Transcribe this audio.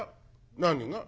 「何が？」。